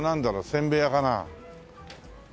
せんべい屋かな？